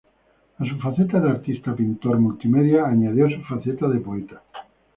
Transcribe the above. A su faceta de artista-pintor multimedia añadió su faceta de poeta.